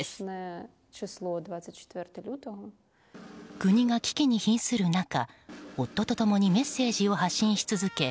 国が危機に瀕する中夫と共にメッセージを発信し続け